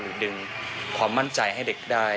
ดึงความมั่นใจให้เด็กได้